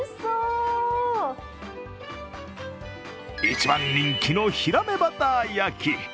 一番人気のヒラメバター焼き。